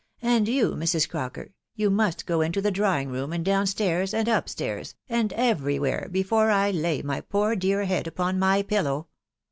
. and you, Mrs. Crocker, you must go into the drawing room, and down stairs and up stairs, and every where, before I lay my poor dear head upon my pillow.